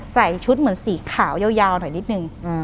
ใส่ชุดเหมือนสีขาวยาวหน่อยนิดนึง